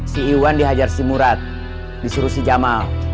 si iwan dihajar si murat disuruh si jamal